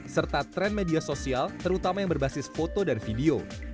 serta tren media sosial terutama yang berbasis foto dan video